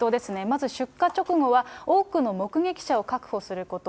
まず出火直後は、多くの目撃者を確保すること。